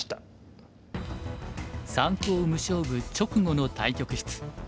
三コウ無勝負直後の対局室。